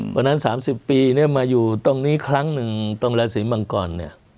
เพราะฉะนั้นสามสิบปีเนี่ยมาอยู่ตรงนี้ครั้งหนึ่งตรงลาศรีมังกรเนี่ย